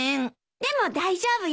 でも大丈夫よ。